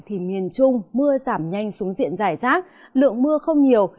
thì miền trung mưa giảm nhanh xuống diện giải rác lượng mưa không nhiều